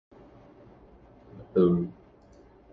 Libertação da Palestina